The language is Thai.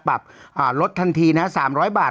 ปรับลดทันทีนะ๓๐๐บาท